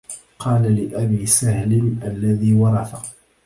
قل لأبي سهل الذي ورث